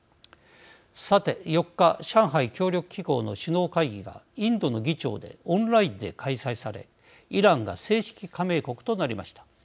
さて４日上海協力機構の首脳会議がインドの議長でオンラインで開催されイランが正式加盟国となりました。